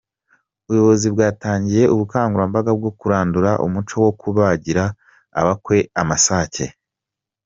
Ubuyobozi bwatangiye ubukangurambaga bwo kurandura umuco wo kubagira abakwe amasake.